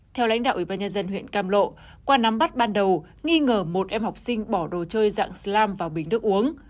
theo lãnh đạo ủy ban nhân dân huyện cam lộ qua nắm bắt ban đầu nghi ngờ một em học sinh bỏ đồ chơi dạng slam vào bình nước uống